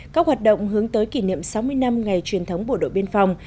các hoạt động hướng tới kỷ niệm sáu mươi năm ngày truyền thống bộ đội biên phòng